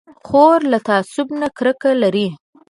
خور له تعصب نه کرکه لري.